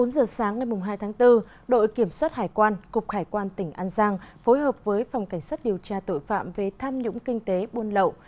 bốn giờ sáng ngày hai tháng bốn đội kiểm soát hải quan cục hải quan tỉnh an giang phối hợp với phòng cảnh sát điều tra tội phạm về tham nhũng kinh tế buôn lậu